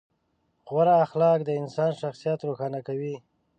غوره اخلاق د انسان شخصیت روښانه کوي.